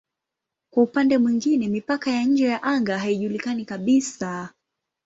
Kwa upande mwingine mipaka ya nje ya anga haijulikani kabisa.